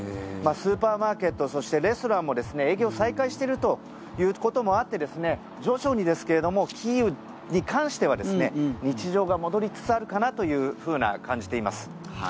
スーパーマーケットそして、レストランも営業再開しているということもあって徐々にですけどもキーウに関しては日常が戻りつつあるかなと感じています。